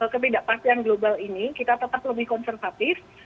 ketidakpastian global ini kita tetap lebih konservatif